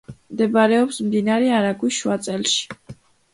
მდებარეობს მდინარე არაგვის შუა წელში.